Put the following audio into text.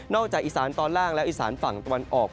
จากอีสานตอนล่างและอีสานฝั่งตะวันออก